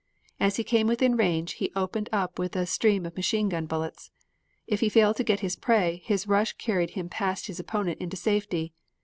As he came within range, he opened up with a stream of machine gun bullets. If he failed to get his prey, his rush carried him past his opponent into safety.